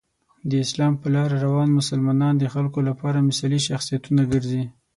د اسلام په لاره روان مسلمانان د خلکو لپاره مثالي شخصیتونه ګرځي.